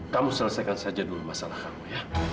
kamu selesaikan saja dulu masalah kamu ya